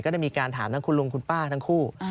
ได้มีการถามทั้งคุณลุงคุณป้าทั้งคู่